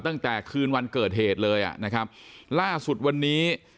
ตั้งแต่คืนวันเกิดเหตุเลยอ่ะนะครับล่าสุดวันนี้